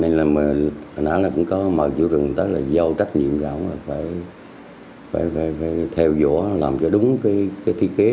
hồi nãy là cũng có mời chủ trường tới là do trách nhiệm ra ông là phải theo dõi làm cho đúng cái thi kế